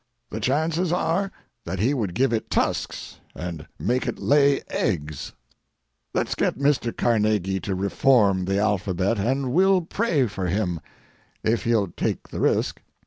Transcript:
The chances are that he would give it tusks and make it lay eggs. Let's get Mr. Carnegie to reform the alphabet, and we'll pray for him—if he'll take the risk.